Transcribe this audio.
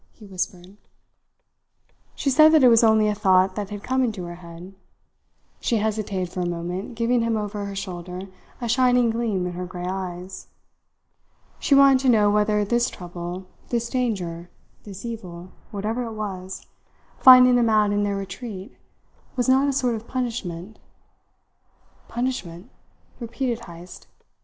he whispered. She said that it was only a thought that had come into her head. She hesitated for a moment giving him over her shoulder a shining gleam in her grey eyes. She wanted to know whether this trouble, this danger, this evil, whatever it was, finding them out in their retreat, was not a sort of punishment. "Punishment?" repeated Heyst.